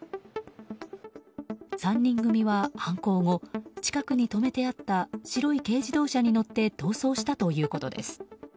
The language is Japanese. ３人組は犯行後近くに止めてあった白い軽自動車に乗って逃走したということです。